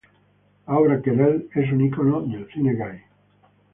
La obra "Querelle" es un icono del cine gay.